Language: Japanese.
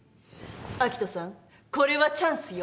明人さんこれはチャンスよ。